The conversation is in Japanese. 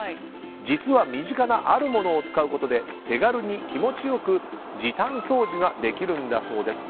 実は、身近なあるものを使うことで手軽に気持ちよく時短掃除ができるんだそうです。